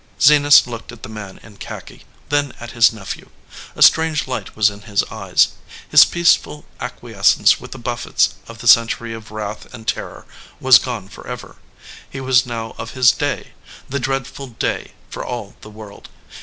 Zenas looked at the man in khaki, then at his nephew. A strange light was in his eyes. His peaceful acquiescence with the buffets of the cen tury of wrath and terror was gone forever. He was now of his day, the dreadful Day for all the world.